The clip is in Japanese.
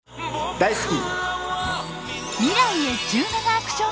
大好き！